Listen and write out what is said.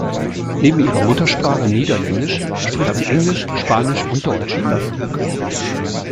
Neben ihrer Muttersprache Niederländisch spricht sie Englisch, Spanisch und Deutsch.